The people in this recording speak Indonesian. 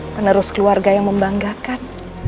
menerus keluarga yang membanggakan